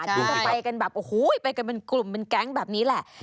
ที่ต้องไปกันแบบโอ้โหไปกันเป็นกลุ่มเป็นแก๊งแบบนี้แหละ